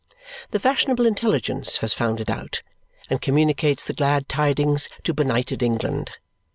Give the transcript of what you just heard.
The fashionable intelligence has found it out and communicates the glad tidings to benighted England.